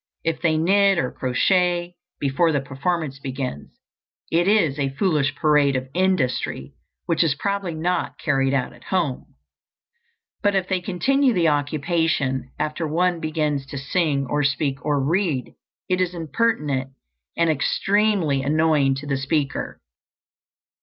If they knit or crochet before the performance begins, it is a foolish parade of industry which is probably not carried out at home; but if they continue the occupation after one begins to sing or speak or read, it is impertinent, and extremely annoying to the speaker.